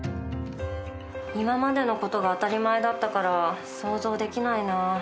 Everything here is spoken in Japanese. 今までのことが当たり前だったから想像できないな。